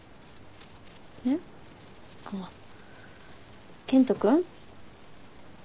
えっ？あっ健人君？